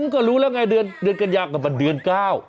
ก็รู้แล้วไงเดือนกัญญาก็เป็นเดือนเก้า